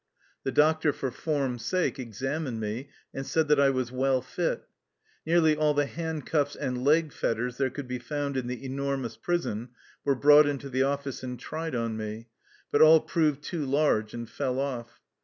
The doctor, for form's sake, examined me and said that I was " well fit." Nearly all the hand cuffs and leg fetters there could be found in the enormous prison were brought into the office and tried on me, but all proved too large and fell off.